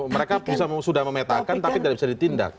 mereka sudah memetakan tapi tidak bisa ditindak